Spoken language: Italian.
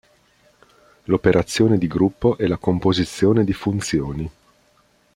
L'operazione di gruppo è la composizione di funzioni.